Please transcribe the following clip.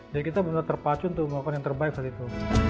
jadi kita benar benar terpacu untuk melakukan yang terbaik saat itu